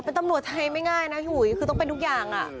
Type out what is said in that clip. เป็นตำรวจไทยไม่ง่ายนะพี่หุยคือต้องเป็นทุกอย่าง